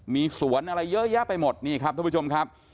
มีสวนอะไรเยอะแยะไปหมดนี่ครับทุกผู้ชมครับ